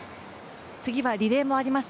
次はリレーもあります。